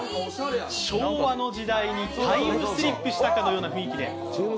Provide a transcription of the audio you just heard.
昭和の時代にタイムスリップしたかのような雰囲気で。